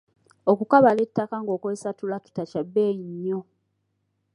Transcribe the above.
Okukabala ettaka ng'okozesa ttulakita kya bbeeyi nnyo.